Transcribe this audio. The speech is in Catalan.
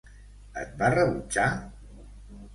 Et va rebutjar?